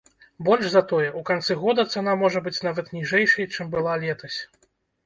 Больш за тое, у канцы года цана можа быць нават ніжэйшай, чым была летась.